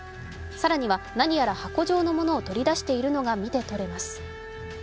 更には、何やら箱状のものを取り出しているのが見てとれます。